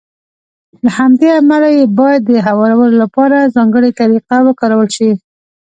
له همدې امله يې بايد د هوارولو لپاره ځانګړې طريقه وکارول شي.